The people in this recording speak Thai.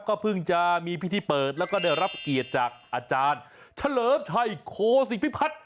ก็เพิ่งจะมีพิธีเปิดแล้วก็ได้รับเกียรติจากอาจารย์เฉลิมชัยโคศิพิพัฒน์